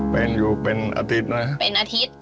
เป็นอยู่เป็นอาทิตย์นะครับเป็นอาทิตย์